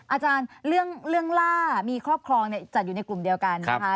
อาจารย์เรื่องล่ามีครอบครองจัดอยู่ในกลุ่มเดียวกันนะคะ